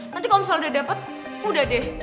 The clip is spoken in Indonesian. nanti kalo misal udah dapet udah deh